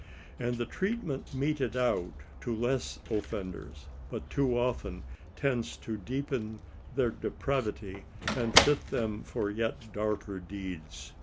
And the treatment meted out to less offenders, but too often tends to deepen their depravity and fit them for yet darker deeds.